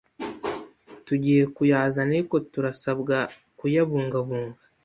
Tugiye kuyazana ariko turasabwa kuyabungabunga.